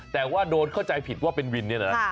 แต่ว่าโดนเข้าใจผิดว่าเป็นวินเนี่ยนะ